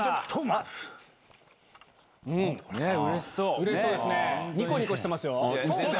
うれしそうですね。